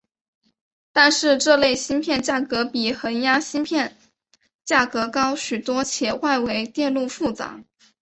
但是这类芯片价格比恒压芯片价格高许多且外围电路复杂。